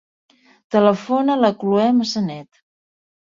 Telefona a la Chloé Massanet.